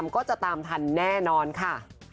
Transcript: ก็จะตามทันแน่นอนค่ะ